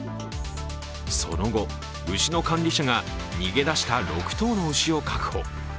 その後、牛の管理者が逃げ出した６頭の牛を確保。